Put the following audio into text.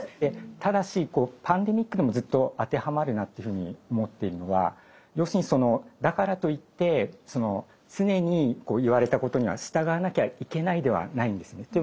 ただしパンデミックでもずっと当てはまるなというふうに思っているのは要するにそのだからといって常にこう言われたことには従わなきゃいけないではないんですよね。